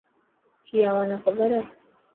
ڪي اوهان نا کبر هي.